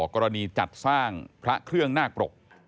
กรณีจัดสร้างพระเครื่องหน้ากรก